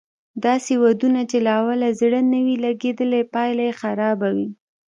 داسې ودونه چې له اوله زړه نه وي لګېدلی پايله یې خرابه وي